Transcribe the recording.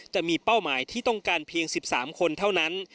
จะมีเป้าหมายที่ต้องการเพียง๑๓คนเท่านั้น